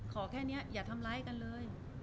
ขอแค่นี้อย่าทำร้ายกันเลย